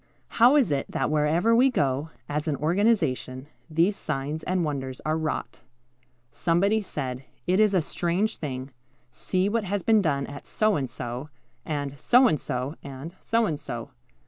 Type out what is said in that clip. How is it that wherever we go, as an organization, these signs and wonders are wrought? Somebody said, "It is a strange thing; see what has been done at So and so, and So and so, and So and so.